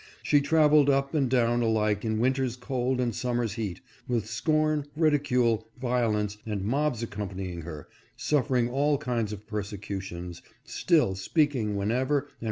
She traveled up and down alike in winter's cold and summer's heat, with scorn, rid icule, violence and mobs accompanying her, suffering all kinds of persecutions, still speaking whenever and where ABBY KELLEY AND HARRIET BEECHER STOWE.